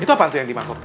itu apa yang dimakukkan